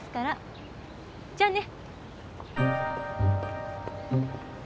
じゃあね。